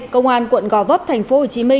công an quận gò vấp tp hcm